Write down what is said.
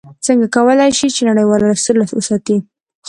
څنګه کولی شي چې نړیواله سوله وساتي؟